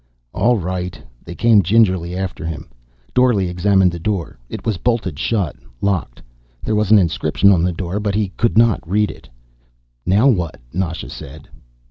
"All right." They came gingerly after him. Dorle examined the door. It was bolted shut, locked. There was an inscription on the door but he could not read it. "Now what?" Nasha said.